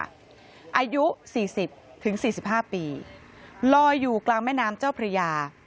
อายุสี่สิบถึงสี่สิบห้าปีลอยอยู่กลางแม่น้ำเจ้าพระยา